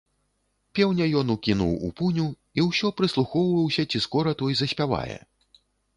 Пеўня ён укінуў у пуню і ўсё прыслухоўваўся, ці скора той заспявае.